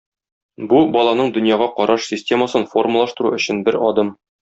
Бу баланың дөньяга караш системасын формалаштыру өчен бер адым.